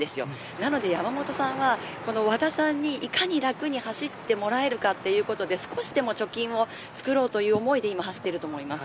なので山本さんは、和田さんにいかに楽に走ってもらえるかということで少しでも貯金をつくろうという思いで今走っていると思います。